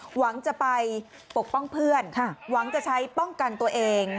หวังจะไปปกป้องเพื่อนหวังจะใช้ป้องกันตัวเอง